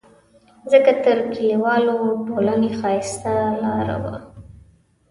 ځکه تر لیکوالو ټولنې ښایسته لاره وه.